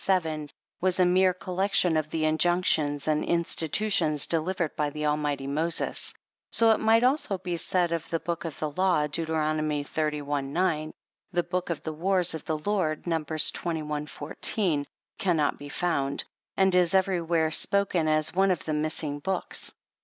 was a mere collec tion of the injunctions and institutions delivered by the Almighty to Moses. So it might also be said of the Book of the Law, (Deut. xxxi. 9.) The Book of the wars of the Lord (Numbers xxi. 14.) cannot be found, and is every where spoken of as one of the missing books.